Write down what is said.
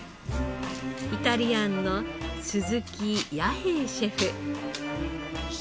イタリアンの鈴木弥平シェフ。